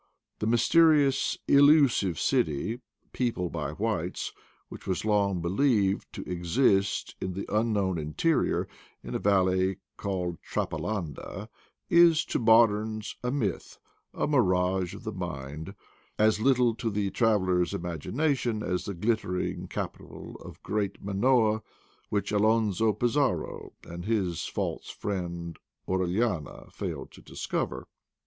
The mysterious illusive city, peopled by whites, which wafe long believed to exist in the unknown interior, in a valley called Trapalanda, is to moderns a myth, a mirage of the mind, as little to the traveler's imagination as the glittering capital of great Manoa, which Alonzo Pizarro and his false friend Orellana failed to discover.